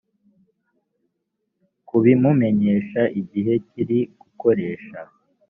kubimumenyesha igihe kiri gukoresha